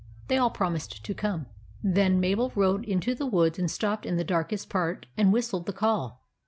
They all promised to come. Then Mabel rode into the woods, and stopped in the darkest part and whistled the call.